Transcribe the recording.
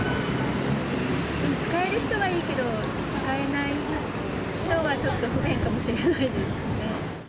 でも使える人はいいけど、使えない人はちょっと不便かもしれないですね。